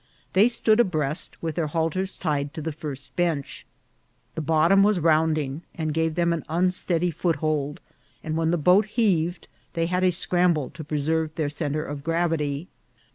They stood abreast, with their halters tied to the first bench. The bottom was rounding, and gave them an unsteady foothold ; and when the boat heaved they had a scramble to preserve their centre of gravity.